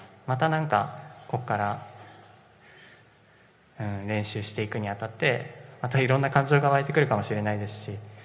またここから練習していくに当たって、またいろんな感情が湧いてくるかもしれないですし